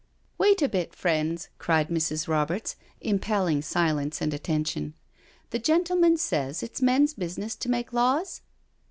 " Wait a bit, friends," cried Mrs. Roberts, impelling silence and attention; " the gentleman says it's men's business to make laws?"